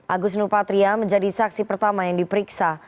agus nupatria menjadi saksi pertama yang diperiksa